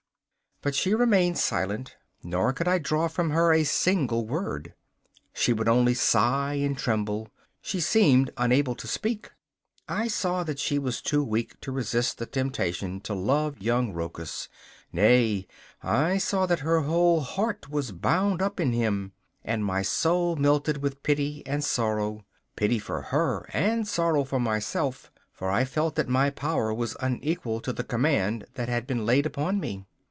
But she remained silent, nor could I draw from her a single word. She would only sigh and tremble; she seemed unable to speak. I saw that she was too weak to resist the temptation to love young Rochus; nay, I saw that her whole heart was bound up in him, and my soul melted with pity and sorrow pity for her and sorrow for myself, for I felt that my power was unequal to the command that had been laid upon me.